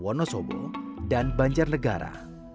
wonosobo dan banjarnegara